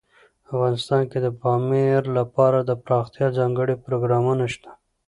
افغانستان کې د پامیر لپاره دپرمختیا ځانګړي پروګرامونه شته.